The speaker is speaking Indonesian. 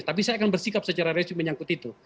tapi saya akan bersikap secara resmi menyangkut itu